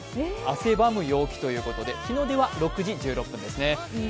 汗ばむ陽気ということで、日の出は６時１１分ですね。